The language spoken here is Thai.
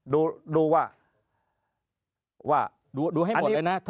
ดูให้หมดเลยนะ